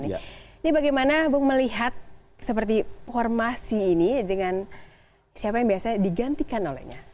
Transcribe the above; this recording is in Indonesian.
ini bagaimana bung melihat seperti formasi ini dengan siapa yang biasanya digantikan olehnya